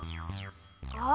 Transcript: あ。